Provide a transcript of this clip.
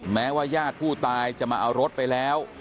แม้ว่าญาติผู้ตายจะมาเอารถไปแล้ว